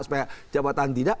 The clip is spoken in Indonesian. supaya jabatan tidak